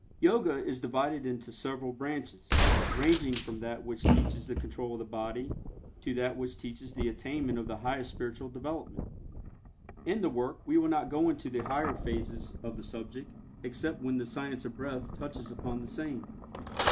Yoga is divided into several branches, ranging from that which teaches the control of the body, to that which teaches the attainment of the highest spiritual development. In the work we will not go into the higher phases of the subject, except when the "Science of Breath" touches upon the same.